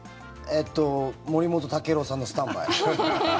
森本毅郎さんの「スタンバイ」。